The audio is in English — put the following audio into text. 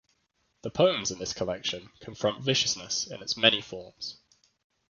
The poems in this collection confront viciousness in its many forms.